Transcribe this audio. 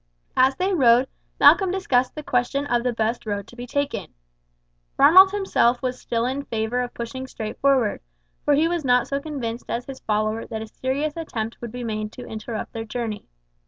As they rode, Malcolm discussed the question of the best road to be taken. Ronald himself was still in favour of pushing straight forward, for he was not so convinced as his follower that a serious attempt would be made to interrupt their journey.